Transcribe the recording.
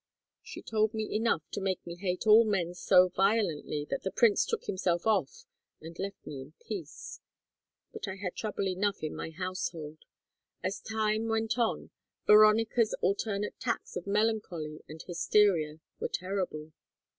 She told me enough to make me hate all men so violently that the prince took himself off and left me in peace. But I had trouble enough in my household. As time went on Veronica's alternate attacks of melancholy and hysteria were terrible.